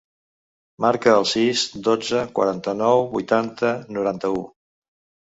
Marca el sis, dotze, quaranta-nou, vuitanta, noranta-u.